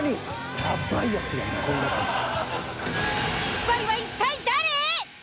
スパイは一体誰！？